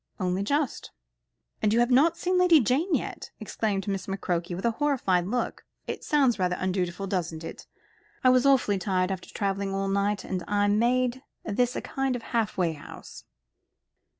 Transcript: "Only just," "And you have not seen Lady Jane yet?" exclaimed Miss McCroke with a horrified look. "It sounds rather undutiful, doesn't it? I was awfully tired, after travelling all night; and I made this a kind of halfway house."